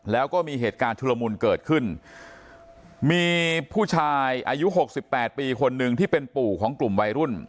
แล้วก็มีเหตุการณ์ชุลมุนเกิดขึ้นมีผู้ชายอายุหกสิบแปดปีคนหนึ่งที่เป็นปู่ของกลุ่มวัยรุ่น